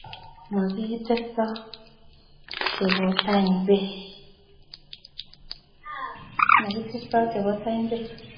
Makitestoi chepotany bei.